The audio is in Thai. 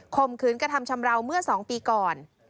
มขืนกระทำชำราวเมื่อ๒ปีก่อน